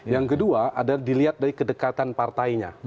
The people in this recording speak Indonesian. yang kedua adalah dilihat dari kedekatan partainya